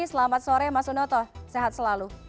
selamat sore mas unoto sehat selalu